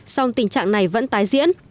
song tình trạng này vẫn tái diễn